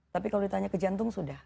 tapi kalau ditanya ke jantung sudah